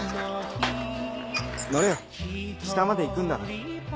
乗れよ下まで行くんだろ？